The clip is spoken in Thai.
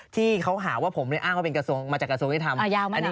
ที่เขาหาว่าผมเนี่ยอ้างว่าเป็นกระทรงมาจากกระทรงอิทธิ์ทำ